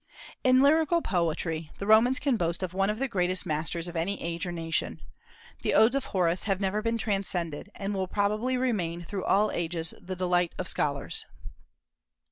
In lyrical poetry, the Romans can boast of one of the greatest masters of any age or nation. The Odes of Horace have never been transcended, and will probably remain through all ages the delight of scholars.